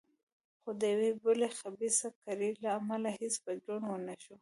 خو د یوې بلې خبیثه کړۍ له امله هېڅ بدلون ونه شو.